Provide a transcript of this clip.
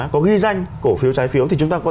có ghi danh cổ phiếu trái phiếu thì chúng ta có